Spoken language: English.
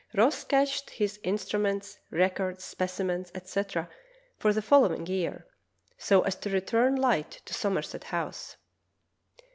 Ross cached his instruments, records, specimens, etc., for the following year, so as to return light to Somerset House.